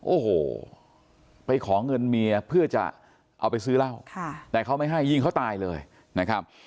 โอ้โหไปขอเงินเมียเพื่อจะเอาไปซื้อเหล้าแต่เขาไม่ให้ยิงเขาตายเลยนะครับ